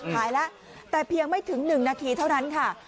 หายแล้วแต่เพียงไม่ถึง๑นาทีเท่านั้นค่ะ